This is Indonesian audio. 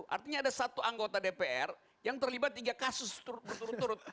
artinya ada satu anggota dpr yang terlibat tiga kasus berturut turut